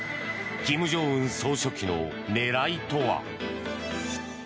金正恩総書記の狙いとは？